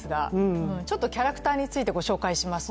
ちょっとキャラクターについてご紹介します。